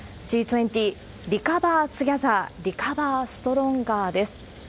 Ｇ２０、リカバー・トゥギャザー・リカバー・ストロンガーです。